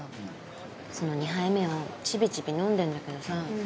その２杯目をちびちび飲んでんだけどさ